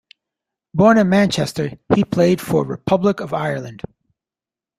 Born in Manchester, he played for Republic of Ireland.